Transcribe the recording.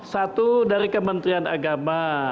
satu dari kementerian agama